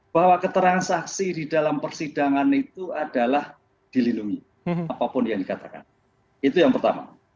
bahwa keterangan saksi di dalam persidangan itu adalah dilindungi apapun yang dikatakan itu yang pertama